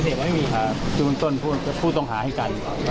บ้านต้นไม่มีเขาเขาปฏิเสธว่าไม่มีครับคือบ้านต้นผู้ต้องหาให้กัน